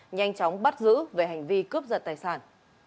nhanh chóng bắt giữ về hành vi cướp giật tài sản